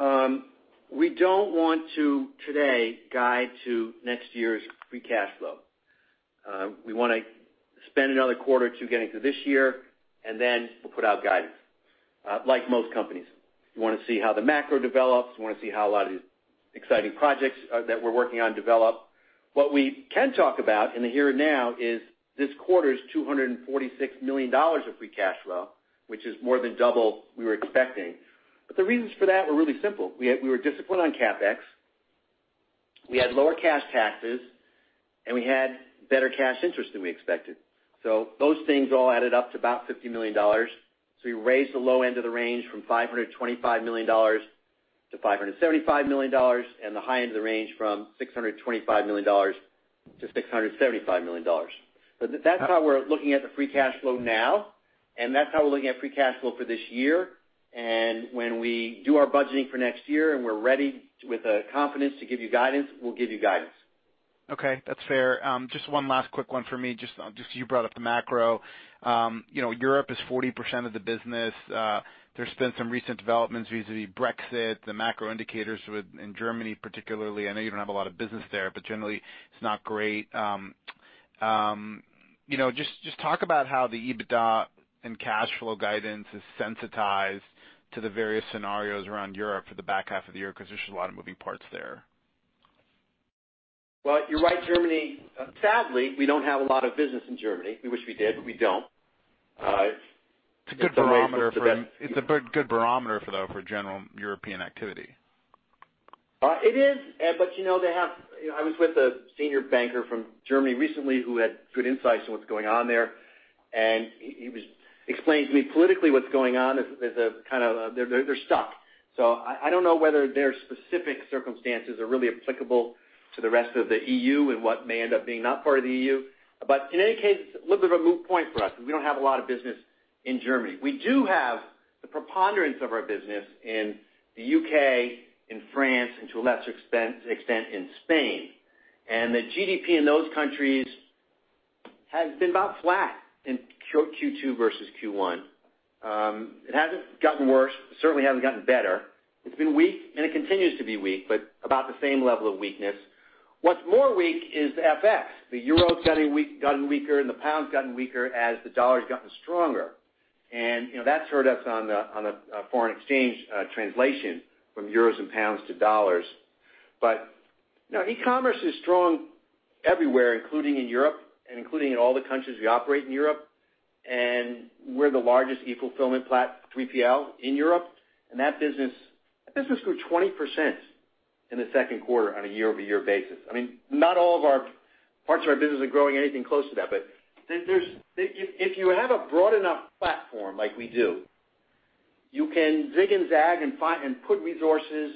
appreciated. We don't want to today guide to next year's free cash flow. We want to spend another quarter or two getting through this year, and then we'll put out guidance. Like most companies. We want to see how the macro develops. We want to see how a lot of these exciting projects that we're working on develop. What we can talk about in the here now is this quarter's $246 million of free cash flow, which is more than double we were expecting. The reasons for that were really simple. We were disciplined on CapEx, we had lower cash taxes, and we had better cash interest than we expected. Those things all added up to about $50 million. We raised the low end of the range from $525 million-$575 million, and the high end of the range from $625 million-$675 million. That's how we're looking at the free cash flow now, and that's how we're looking at free cash flow for this year. When we do our budgeting for next year and we're ready with the confidence to give you guidance, we'll give you guidance. Okay. That's fair. One last quick one for me. You brought up the macro. Europe is 40% of the business. There's been some recent developments vis-a-vis Brexit, the macro indicators in Germany particularly. I know you don't have a lot of business there, but generally it's not great. Talk about how the EBITDA and cash flow guidance is sensitized to the various scenarios around Europe for the back half of the year, because there's just a lot of moving parts there. Well, you're right. Sadly, we don't have a lot of business in Germany. We wish we did, but we don't. It's a good barometer for, though, for general European activity. It is. I was with a senior banker from Germany recently who had good insights on what's going on there, and he explained to me politically what's going on is they're stuck. I don't know whether their specific circumstances are really applicable to the rest of the EU and what may end up being not part of the EU. In any case, it's a little bit of a moot point for us because we don't have a lot of business in Germany. We do have the preponderance of our business in the U.K., in France, and to a lesser extent in Spain. The GDP in those countries has been about flat in Q2 versus Q1. It hasn't gotten worse. It certainly hasn't gotten better. It's been weak, and it continues to be weak, but about the same level of weakness. What's more weak is the FX. The euro's gotten weaker, and the pound's gotten weaker as the dollar's gotten stronger. That's hurt us on the foreign exchange translation from euros and pounds to dollars. E-commerce is strong everywhere, including in Europe, and including in all the countries we operate in Europe. We're the largest e-fulfillment 3PL in Europe. That business grew 20% in the second quarter on a year-over-year basis. Not all parts of our business are growing anything close to that, but if you have a broad enough platform like we do, you can zig and zag and put resources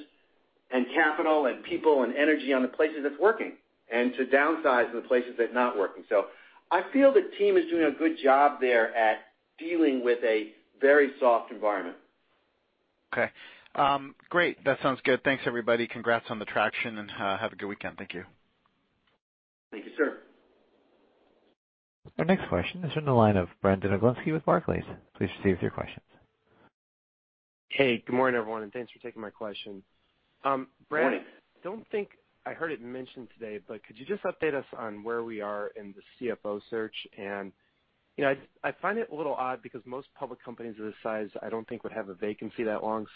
and capital and people and energy on the places that's working, and to downsize in the places that's not working. I feel the team is doing a good job there at dealing with a very soft environment. Okay. Great. That sounds good. Thanks, everybody. Congrats on the traction, and have a good weekend. Thank you. Thank you, sir. Our next question is in the line of Brandon Oglenski with Barclays. Please proceed with your questions. Hey, good morning, everyone, and thanks for taking my question. Morning. Brad, I don't think I heard it mentioned today. Could you just update us on where we are in the CFO search? I find it a little odd because most public companies of this size I don't think would have a vacancy that long.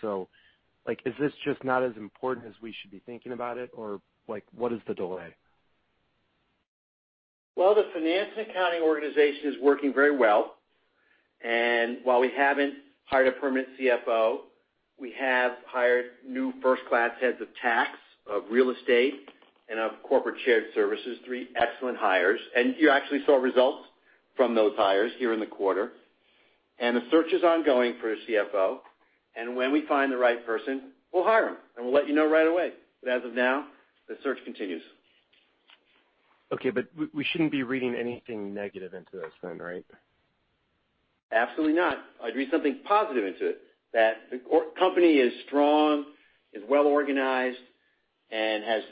Is this just not as important as we should be thinking about it, or what is the delay? Well, the finance and accounting organization is working very well. While we haven't hired a permanent CFO, we have hired new first-class heads of tax, of real estate, and of corporate shared services. Three excellent hires. You actually saw results from those hires here in the quarter. The search is ongoing for a CFO. When we find the right person, we'll hire them, and we'll let you know right away. As of now, the search continues. Okay, we shouldn't be reading anything negative into this then, right? Absolutely not. I'd read something positive into it, that the company is strong, is well-organized, and has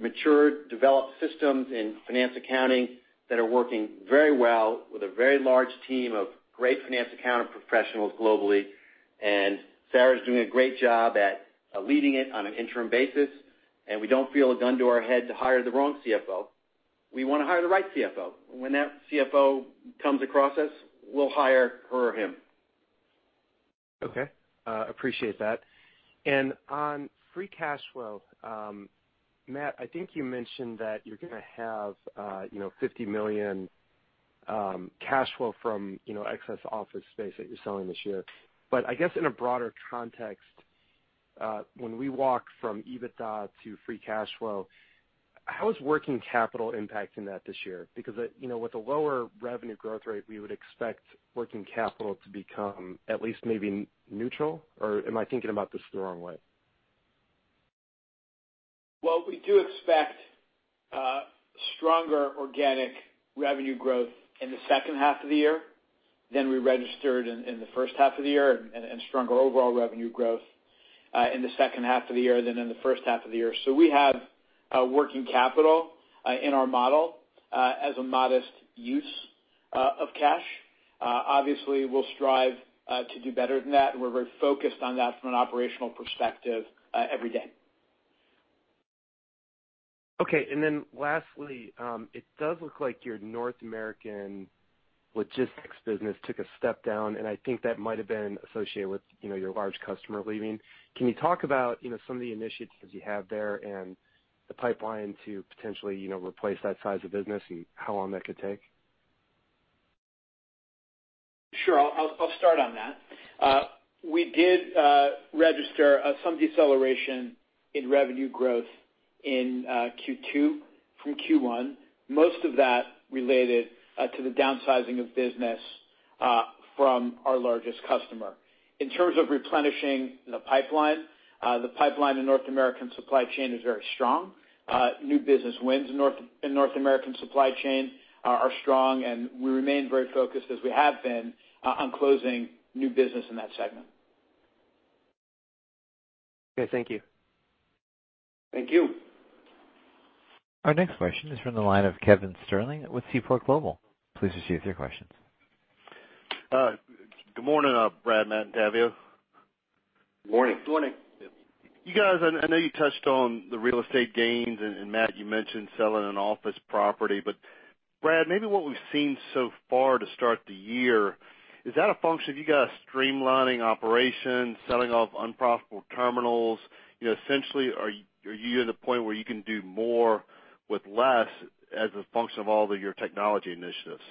matured, developed systems in finance accounting that are working very well with a very large team of great finance accountant professionals globally. Sarah's doing a great job at leading it on an interim basis, and we don't feel a gun to our head to hire the wrong CFO. We want to hire the right CFO. When that CFO comes across us, we'll hire her or him. Okay. Appreciate that. On free cash flow, Matt, I think you mentioned that you're going to have $50 million cash flow from excess office space that you're selling this year. I guess in a broader context, when we walk from EBITDA to free cash flow, how is working capital impacting that this year? With a lower revenue growth rate, we would expect working capital to become at least maybe neutral, or am I thinking about this the wrong way? Well, we do expect stronger organic revenue growth in the second half of the year than we registered in the first half of the year, and stronger overall revenue growth in the second half of the year than in the first half of the year. We have working capital in our model as a modest use of cash. Obviously, we'll strive to do better than that. We're very focused on that from an operational perspective every day. Okay, lastly, it does look like your North American logistics business took a step down, and I think that might have been associated with your large customer leaving. Can you talk about some of the initiatives you have there and the pipeline to potentially replace that size of business and how long that could take? Sure. I'll start on that. We did register some deceleration in revenue growth in Q2 from Q1, most of that related to the downsizing of business from our largest customer. In terms of replenishing the pipeline, the pipeline in North American Supply Chain is very strong. New business wins in North American Supply Chain are strong. We remain very focused as we have been on closing new business in that segment. Okay. Thank you. Thank you. Our next question is from the line of Kevin Sterling with Seaport Global. Please proceed with your questions. Good morning, Brad, Matt, and Tavio. Morning. Good morning. You guys, I know you touched on the real estate gains, and Matt, you mentioned selling an office property. Brad, maybe what we've seen so far to start the year, is that a function of you guys streamlining operations, selling off unprofitable terminals? Essentially, are you at a point where you can do more with less as a function of all of your technology initiatives?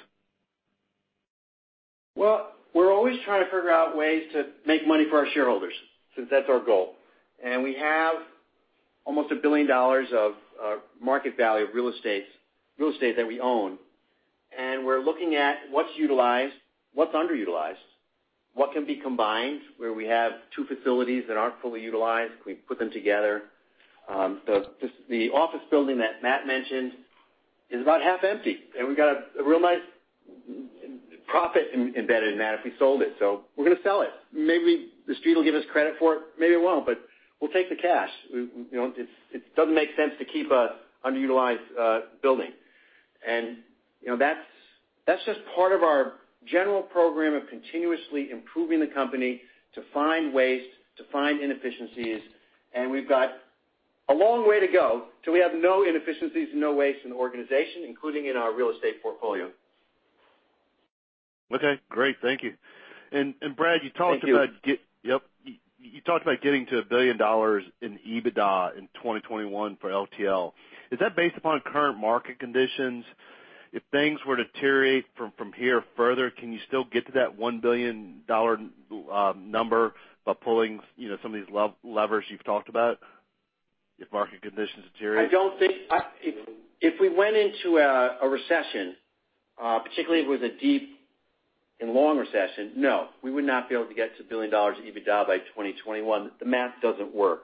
Well, we're always trying to figure out ways to make money for our shareholders, since that's our goal. We have almost $1 billion of market value of real estate that we own, and we're looking at what's utilized, what's underutilized, what can be combined, where we have two facilities that aren't fully utilized. We put them together. The office building that Matt mentioned is about half empty, and we got a real nice profit embedded in that if we sold it. We're going to sell it. Maybe The Street will give us credit for it, maybe it won't, but we'll take the cash. It doesn't make sense to keep an underutilized building. That's just part of our general program of continuously improving the company to find waste, to find inefficiencies, and we've got a long way to go till we have no inefficiencies and no waste in the organization, including in our real estate portfolio. Okay, great. Thank you. Thank you. Yep. You talked about getting to $1 billion in EBITDA in 2021 for LTL. Is that based upon current market conditions? If things were to deteriorate from here further, can you still get to that $1 billion number by pulling some of these levers you've talked about, if market conditions deteriorate? If we went into a recession, particularly if it was a deep and long recession, no. We would not be able to get to $1 billion of EBITDA by 2021. The math doesn't work.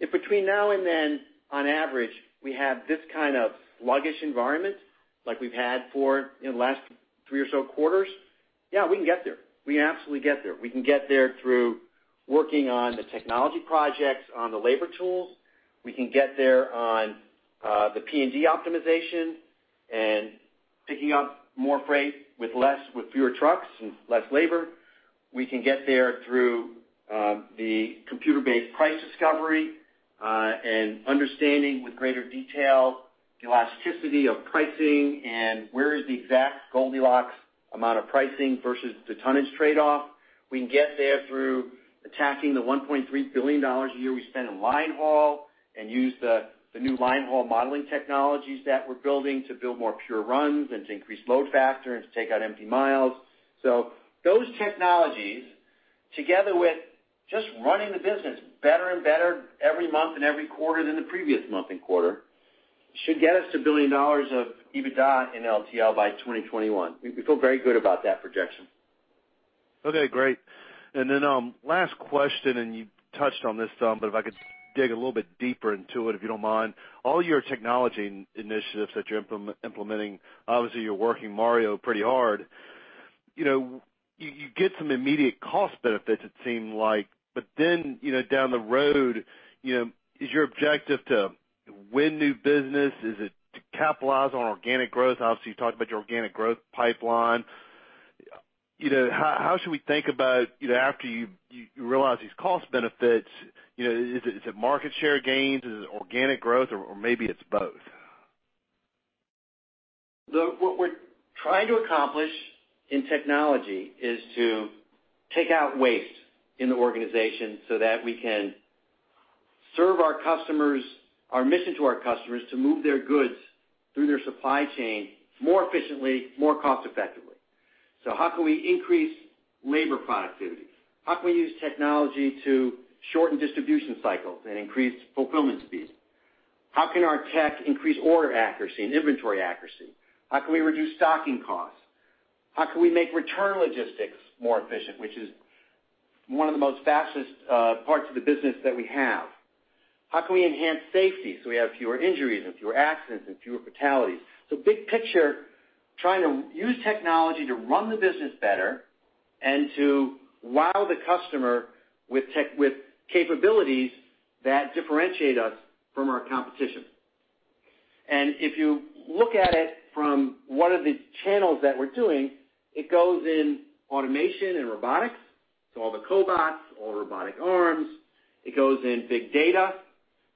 If between now and then, on average, we have this kind of sluggish environment like we've had for the last three or so quarters, yeah, we can get there. We can absolutely get there. We can get there through working on the technology projects, on the labor tools. We can get there on the P&D optimization and picking up more freight with less, with fewer trucks and less labor. We can get there through the computer-based price discovery, and understanding with greater detail the elasticity of pricing and where is the exact Goldilocks amount of pricing versus the tonnage trade-off. We can get there through attacking the $1.3 billion a year we spend in line haul, and use the new line haul modeling technologies that we're building to build more pure runs and to increase load factors, to take out empty miles. Those technologies, together with just running the business better and better every month and every quarter than the previous month and quarter, should get us to $1 billion of EBITDA in LTL by 2021. We feel very good about that projection. Okay, great. Last question, and you touched on this some, but if I could dig a little bit deeper into it, if you don't mind. All your technology initiatives that you're implementing, obviously you're working Mario pretty hard. You get some immediate cost benefits it seem like, but then, down the road, is your objective to win new business? Is it to capitalize on organic growth? Obviously, you talked about your organic growth pipeline. How should we think about after you realize these cost benefits, is it market share gains? Is it organic growth, or maybe it's both? What we're trying to accomplish in technology is to take out waste in the organization so that we can serve our customers our mission to our customers to move their goods through their supply chain more efficiently, more cost effectively. How can we increase labor productivity? How can we use technology to shorten distribution cycles and increase fulfillment speeds? How can our tech increase order accuracy and inventory accuracy? How can we reduce stocking costs? How can we make return logistics more efficient, which is one of the most fastest parts of the business that we have? How can we enhance safety so we have fewer injuries and fewer accidents and fewer fatalities? Big picture, trying to use technology to run the business better and to wow the customer with capabilities that differentiate us from our competition. If you look at it from what are the channels that we're doing, it goes in automation and robotics. All the cobots, all robotic arms. It goes in big data,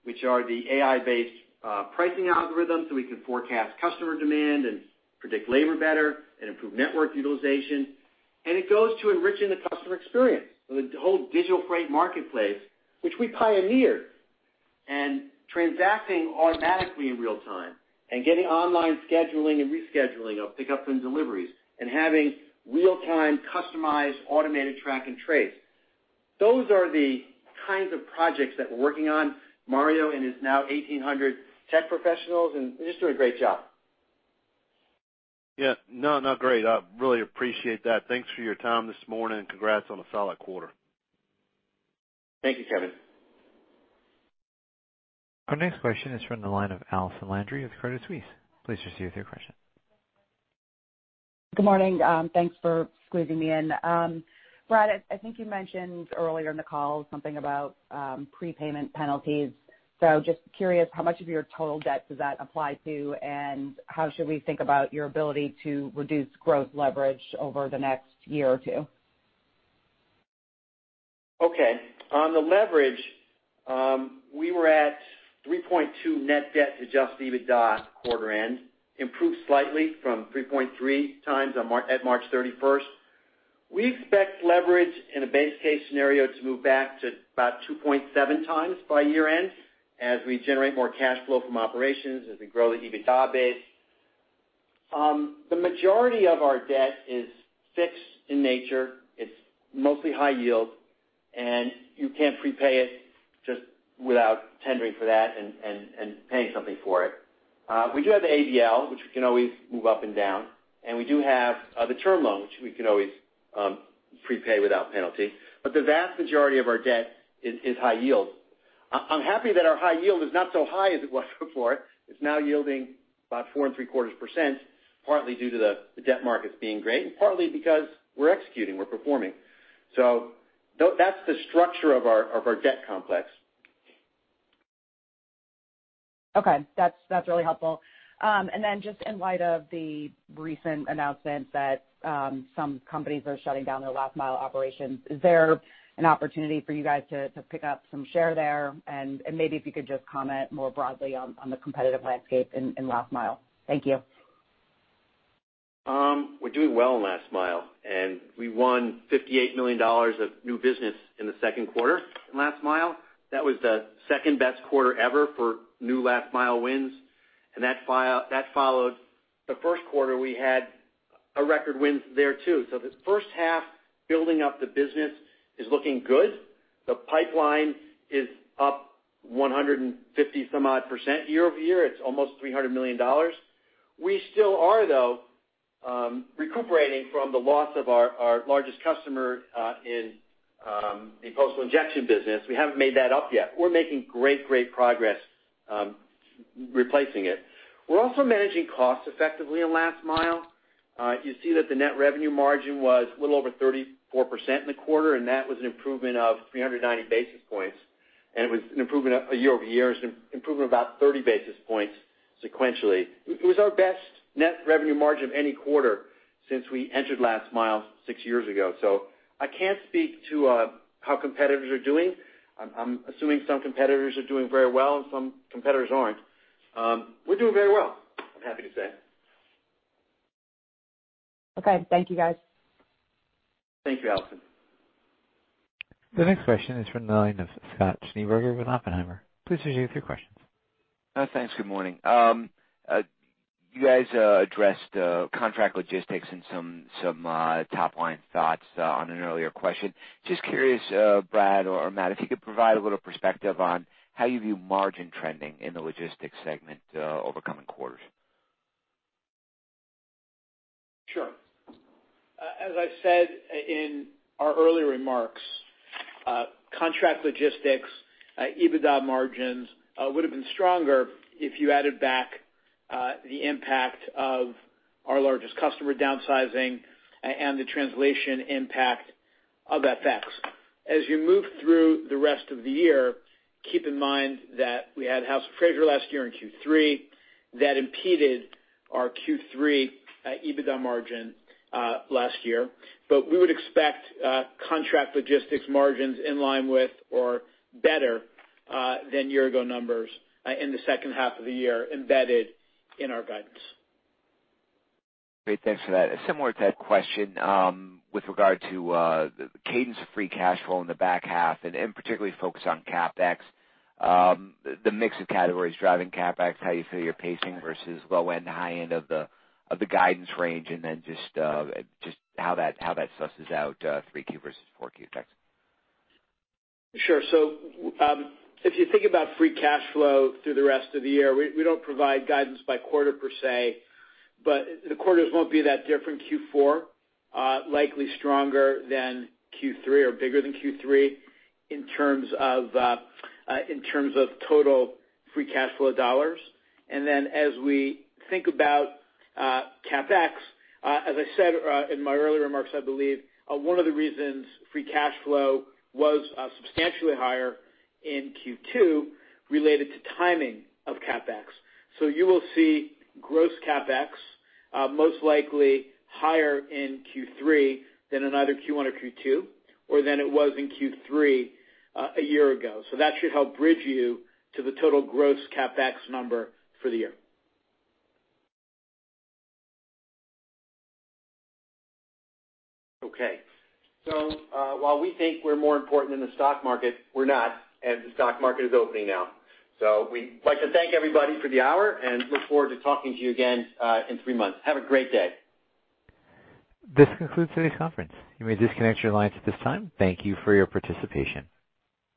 which are the AI-based pricing algorithms, so we can forecast customer demand and predict labor better and improve network utilization. It goes to enriching the customer experience with the whole digital freight marketplace, which we pioneered. Transacting automatically in real time and getting online scheduling and rescheduling of pickups and deliveries and having real-time customized automated track and trace. Those are the kinds of projects that we're working on. Mario and his now 1,800 tech professionals, and they're just doing a great job. Yeah. No, great. I really appreciate that. Thanks for your time this morning. Congrats on a solid quarter. Thank you, Kevin. Our next question is from the line of Allison Landry of Credit Suisse. Please proceed with your question. Good morning. Thanks for squeezing me in. Brad, I think you mentioned earlier in the call something about prepayment penalties. Just curious, how much of your total debt does that apply to, and how should we think about your ability to reduce growth leverage over the next year or two? Okay. On the leverage, we were at 3.2 net debt to adjusted EBITDA at quarter end. Improved slightly from 3.3 times at March 31st. We expect leverage in a base case scenario to move back to about 2.7 times by year end, as we generate more cash flow from operations, as we grow the EBITDA base. The majority of our debt is fixed in nature. It's mostly high yield, and you can't prepay it just without tendering for that and paying something for it. We do have the ABL, which we can always move up and down, and we do have the term loan, which we can always prepay without penalty. The vast majority of our debt is high yield. I'm happy that our high yield is not so high as it was before. It's now yielding about 4.75%, partly due to the debt markets being great, and partly because we're executing, we're performing. That's the structure of our debt complex. Okay. That's really helpful. Then just in light of the recent announcement that some companies are shutting down their last mile operations, is there an opportunity for you guys to pick up some share there? Maybe if you could just comment more broadly on the competitive landscape in last mile. Thank you. We're doing well in last mile. We won $58 million of new business in the second quarter in last mile. That was the second-best quarter ever for new last mile wins, and that followed the first quarter, we had a record wins there, too. This first half, building up the business is looking good. The pipeline is up 150 some odd % year-over-year. It's almost $300 million. We still are, though, recuperating from the loss of our largest customer in the postal injection business. We haven't made that up yet. We're making great progress replacing it. We're also managing costs effectively in last mile. You see that the net revenue margin was a little over 34% in the quarter, and that was an improvement of 390 basis points. It was an improvement a year-over-year, it's an improvement of about 30 basis points sequentially. It was our best net revenue margin of any quarter since we entered last mile six years ago. I can't speak to how competitors are doing. I'm assuming some competitors are doing very well and some competitors aren't. We're doing very well, I'm happy to say. Okay. Thank you, guys. Thank you, Allison. The next question is from the line of Scott Schneeberger with Oppenheimer. Please proceed with your questions. Thanks. Good morning. You guys addressed contract logistics and some top line thoughts on an earlier question. Just curious, Brad or Matt, if you could provide a little perspective on how you view margin trending in the logistics segment over coming quarters. Sure. As I said in our earlier remarks, contract logistics EBITDA margins would have been stronger if you added back the impact of our largest customer downsizing and the translation impact of FX. As you move through the rest of the year, keep in mind that we had House of Fraser last year in Q3. That impeded our Q3 EBITDA margin last year. We would expect contract logistics margins in line with or better than year-ago numbers in the second half of the year embedded in our guidance. Great. Thanks for that. Similar to that question with regard to cadence free cash flow in the back half, and particularly focused on CapEx. The mix of categories driving CapEx, how you feel you're pacing versus low end, high end of the guidance range, and then just how that stresses out 3Q versus 4Q. Thanks. Sure. If you think about free cash flow through the rest of the year, we don't provide guidance by quarter per se, but the quarters won't be that different. Q4 likely stronger than Q3 or bigger than Q3 in terms of total free cash flow dollars. As we think about CapEx, as I said in my earlier remarks, I believe one of the reasons free cash flow was substantially higher in Q2 related to timing of CapEx. You will see gross CapEx most likely higher in Q3 than in either Q1 or Q2, or than it was in Q3 a year ago. Okay. While we think we're more important than the stock market, we're not, and the stock market is opening now. We'd like to thank everybody for the hour and look forward to talking to you again in three months. Have a great day. This concludes today's conference. You may disconnect your lines at this time. Thank you for your participation.